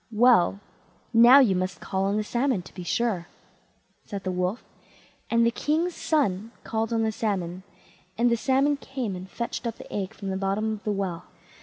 "Well, now you must call on the salmon to be sure", said the Wolf; and the king's son called on the salmon, and the salmon came and fetched up the egg from the bottom of the well.